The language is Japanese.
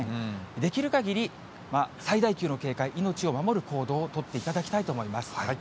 できるかぎり最大級の警戒、命を守る行動を取っていただきたいと思います。